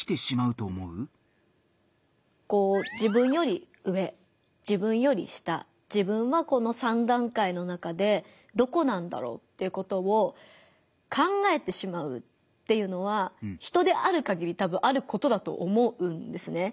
自分より上自分より下自分はこの３段階の中でどこなんだろうっていうことを考えてしまうっていうのは人であるかぎりたぶんあることだと思うんですね。